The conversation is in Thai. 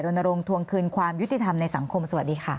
ลงทวงคืนความยุติธรรมในสังคมสวัสดีค่ะ